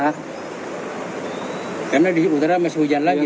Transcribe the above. karena di utara masih hujan lagi